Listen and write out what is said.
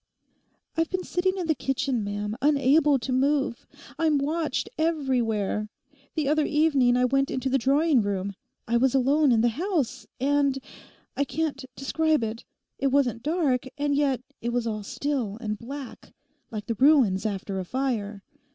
'I've been sitting in the kitchen, ma'am, unable to move. I'm watched everywhere. The other evening I went into the drawing room—I was alone in the house—and... I can't describe it. It wasn't dark; and yet it was all still and black, like the ruins after a fire.